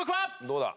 どうだ？